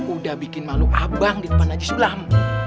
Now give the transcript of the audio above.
udah bikin malu abang di depan haji sulam